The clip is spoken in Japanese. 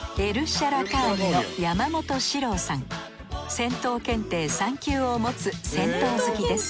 銭湯検定３級を持つ銭湯好きです。